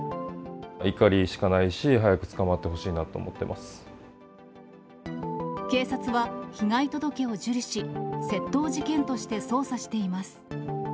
怒りしかないし、早く捕まっ警察は、被害届を受理し、窃盗事件として捜査しています。